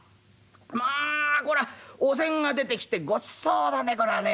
まあこらお膳が出てきてごちそうだねこらね。